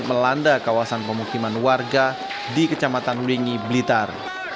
melanda kawasan pemukiman warga di kecamatan wingi blitar